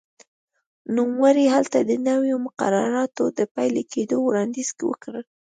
نوموړي هلته د نویو مقرراتو د پلي کېدو وړاندیز وکړ.